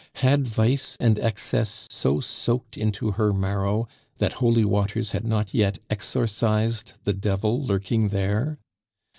Had vice and excess so soaked into her marrow that holy waters had not yet exorcised the devil lurking there?